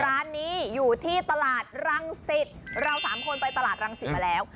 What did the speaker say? ร้านนี้อยู่ที่ตลาดรังสิตเราสามคนไปตลาดรังสิตมาแล้ว